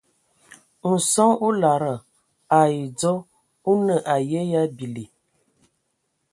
Nson o lada ai dzɔ o nə aye yə a bili.